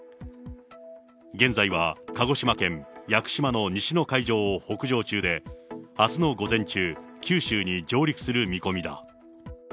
現在は鹿児島県屋久島の西の海上を北上中で、あすの午前中、九州に上陸する見込みだ。